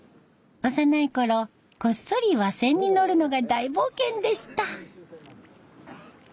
幼いころこっそり和船に乗るのが大冒険でした。